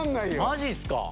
マジっすか！